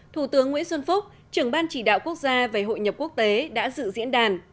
thủ tướng nguyễn xuân phúc trưởng ban chỉ đạo quốc gia về hội nhập quốc tế đã dự diễn đàn